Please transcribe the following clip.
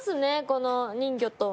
この人魚と。